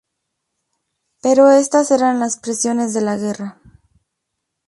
Pero estas eran las presiones de la guerra.